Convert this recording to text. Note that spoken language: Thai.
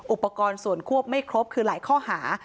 อุปกรณ์ส่วนควบไม่ครบคือหลายข้อหา